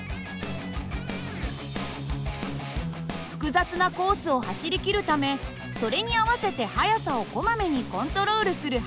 複雑なコースを走りきるためそれに合わせて速さをこまめにコントロールする走り。